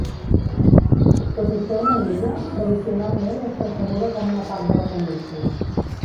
Tot i ser una illa, tradicionalment és percebuda com una part de la península.